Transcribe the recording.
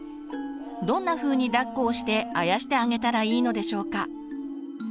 どんなふうにだっこをしてあやしてあげたらいいのでしょうか？